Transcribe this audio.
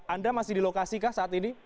anda masih di lokasi kah saat ini